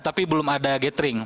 tapi belum ada gathering